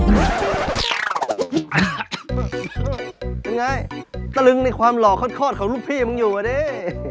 ยังไงตะลึงในความหล่อคลอดของลูกพี่มึงอยู่อ่ะดิ